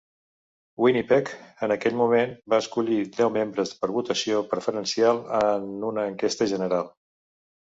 Winnipeg, en aquell moment, va escollir deu membres per votació preferencial en una enquesta general.